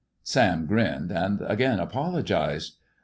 Sam grinned, and again apologized.